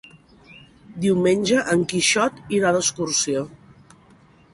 Diumenge en Quixot irà d'excursió.